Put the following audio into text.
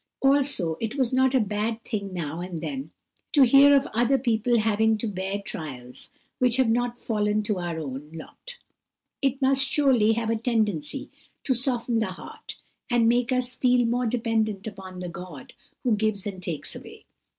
Also it was not a bad thing now and then to hear of other people having to bear trials which have not fallen to our own lot. It must surely have a tendency to soften the heart, and make us feel more dependent upon the God who gives and takes away.